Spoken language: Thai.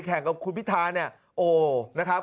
แข่งกับคุณพิธาเนี่ยโอ้นะครับ